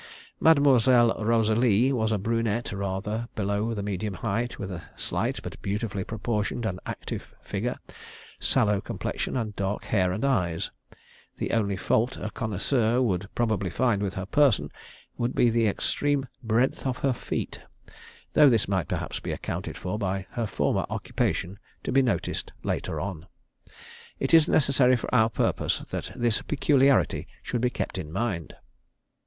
Mademoiselle Rosalie was a brunette rather below the medium height, with a slight but beautifully proportioned and active figure, sallow complexion, and dark hair and eyes. The only fault a connoisseur would probably find with her person would be the extreme breadth of her feet, though this might perhaps be accounted for by her former occupation, to be noticed later on. It is necessary for our purpose that this peculiarity should be kept in mind.